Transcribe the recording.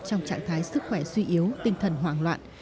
trong trạng thái sức khỏe suy yếu tinh thần hoảng loạn